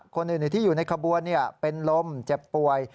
คนอื่นที่อยู่ในขบวนเป็นลมเจ็บป่วย